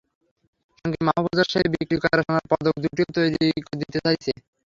সঙ্গে মাহফুজার সেই বিক্রি করা সোনার পদক দুটিও তৈরি করে দিতে চাইছে।